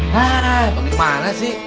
hah panggil mana sih